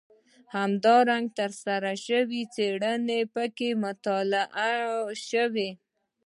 همدارنګه ترسره شوې څېړنې پکې مطالعه شوي.